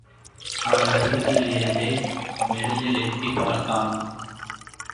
அவன் வீட்டிலிருந்தே வெளியில் எட்டிப் பார்த்தான்.